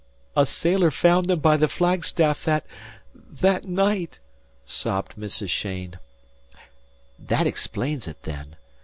"A sailor found them by the flagstaff that that night," sobbed Mrs. Cheyne. "That explains it, then.